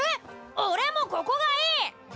俺もここがいい！！